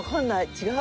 違う？